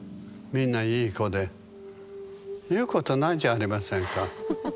みんないい子で言うことないじゃありませんか。